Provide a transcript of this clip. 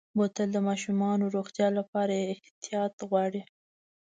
بوتل د ماشومو روغتیا لپاره احتیاط غواړي.